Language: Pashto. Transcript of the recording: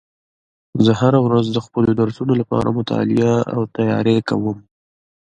زه هره ورځ د خپلو درسونو لپاره مطالعه او تیاری کوم